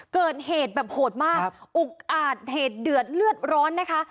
เกิดเหตุแบบโหดมากอุกอาจเหตุเดือดเลือดร้อนนะคะ